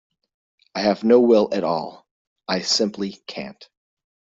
I have no will at all; I simply can't.